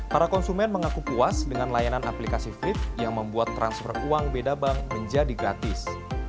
para konsumen mengaku puas dengan layanan aplikasi flip yang membuat transfer uang beda bank menjadi gratis